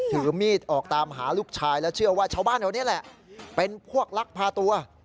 ถือมีดออกตามหาลูกชายและเชื่อว่าชาวบ้านแถวนี้แหละเป็นพวกลักพาตัว